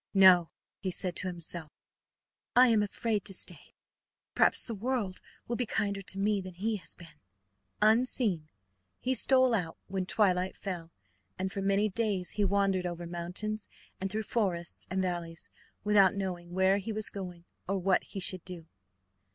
"No," he said to himself, "I am afraid to stay. Perhaps the world will be kinder to me than he has been." Unseen he stole out when twilight fell, and for many days he wandered over mountains and through forests and valleys without knowing where he was going or what he should do.